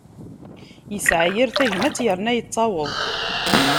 Isɛa yir tagmat, irna ittaweḍ.